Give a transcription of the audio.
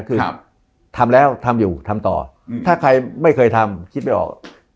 คือทำแล้วทำอยู่ทำต่อถ้าใครไม่เคยทำคิดไม่ออก